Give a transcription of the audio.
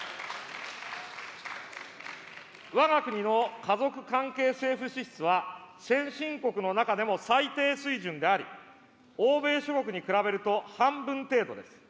わが国の家族関係政府支出は、先進国の中でも最低水準であり、欧米諸国に比べると半分程度です。